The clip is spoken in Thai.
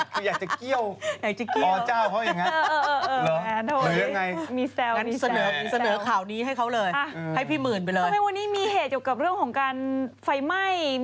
คืออยากจะเกี่ยวอเจ้าเขาอย่างนั้น